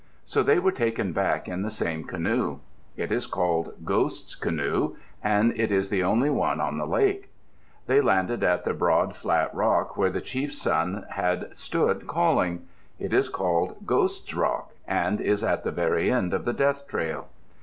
So they were taken back in the same canoe. It is called Ghost's Canoe and it is the only one on that lake. They landed at the broad, flat rock where the chief's son had stood calling. It is called Ghost's Rock, and is at the very end of the Death Trail.